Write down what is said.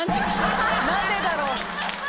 何でだろう？